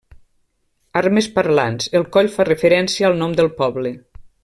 Armes parlants: el coll fa referència al nom del poble.